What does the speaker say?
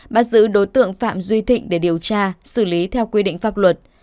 bắt giữ đối tượng phạm duy thịnh để điều tra xử lý theo quy định pháp luật